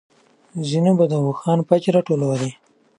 ځينو به د اوښانو پچې راټولولې.